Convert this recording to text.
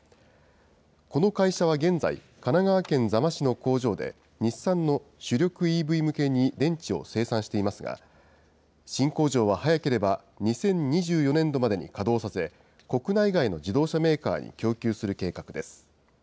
この会社は現在、神奈川県座間市の工場で、日産の主力ＥＶ向けに電池を生産していますが、新工場は早ければ２０２４年度までに稼働させ、国内外の自動車メーカーに供給する計画です。